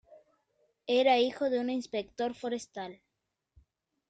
Era hijo de un inspector forestal.